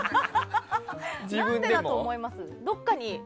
何でだと思います？